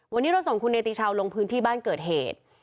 วันนี้เราส่งคุณเนติชาวลงพื้นที่บ้านเกิดเหตุ